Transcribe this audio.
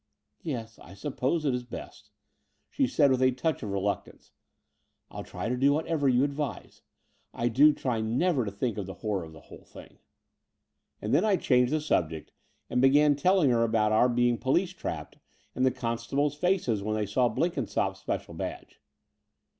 Yes, I suppose it is best, '' she said, with a touch of reluctance. 111 try to do what you all advise. I do try never to think of the horror of the whole thing." 2i8 The Door of the Unreal And then I changed the subject, and began tdl ing her about our being police trapped and the con stables' faces when they saw Blenkinsopp's special badge.